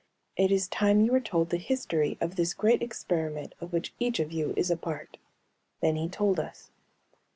"It is time you were told the history of this great experiment of which each of you is a part." Then he told us.